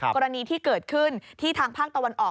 กรณีที่เกิดขึ้นที่ทางภาคตะวันออก